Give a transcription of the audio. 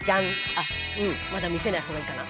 あっまだ見せない方がいいかな？